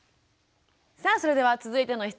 さあそれでは続いての質問です。